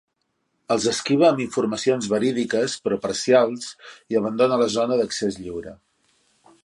Els esquiva amb informacions verídiques però parcials i abandona la zona d'accés lliure.